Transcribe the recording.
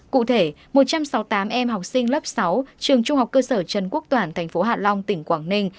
cụ thể một trăm sáu mươi tám em học sinh lớp sáu trường trung học cơ sở trần quốc toản thành phố hạ long tỉnh quảng ninh